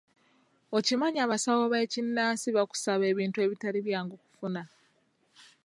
Okimanyi abasawo b'ekinnansi bakusaba ebintu ebitali byangu kufuna.